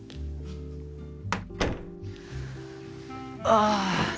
ああ。